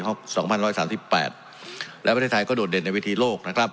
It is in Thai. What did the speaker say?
สองพันร้อยสามสิบแปดและประเทศไทยก็โดดเด่นในวิธีโลกนะครับ